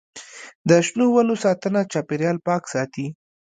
د شنو ونو ساتنه چاپیریال پاک ساتي.